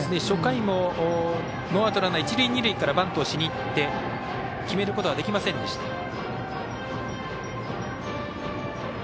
初回もノーアウトランナー、一塁二塁からバントをしにいって決めることができませんでした。